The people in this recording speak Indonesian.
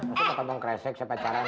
aku mau tolong kresek si pacaran